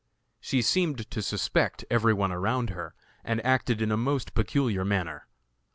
She seemed to suspect every one around her, and acted in a most peculiar manner.